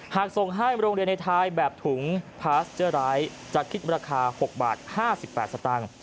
หากส่งให้โรงเรียนในไทยแบบถุงพาสเจอร์ไร้จะคิดราคา๖บาท๕๘สตางค์